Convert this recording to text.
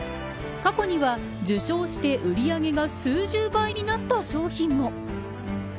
過去には受賞して売り上げが数十倍になった商品も。